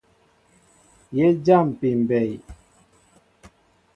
Yé jáámpí mbɛy.